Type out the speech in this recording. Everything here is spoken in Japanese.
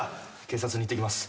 警察に行ってきます。